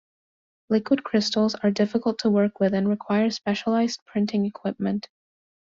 Liquid crystals are difficult to work with and require specialized printing equipment.